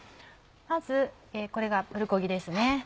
まずこれがプルコギですね。